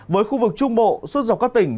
với khu vực trung bộ xuất dọc các tỉnh